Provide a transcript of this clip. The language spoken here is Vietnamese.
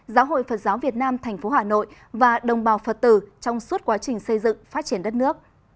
giáo hội phật giáo việt nam tp hà nội và đồng bào phật tử trong suốt quá trình xây dựng phát triển đất nước